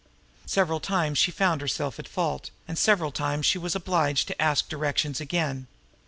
Several times she found herself at fault, and several times she was obliged to ask directions again.